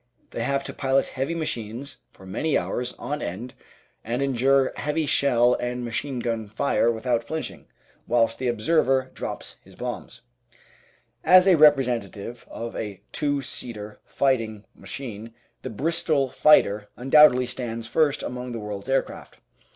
They have to pilot heavy machines for many hours on end and endure heavy shell and machine gun fire without flinching, whilst the observer drops his bombs. 858 The Outline of Science As a representative type of a two seater fighting machine, the Bristol "Fighter" undoubtedly stands first among the world's aircraft.